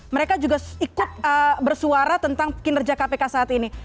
mereka juga ikut bersuara tentang kinerja kpk saat ini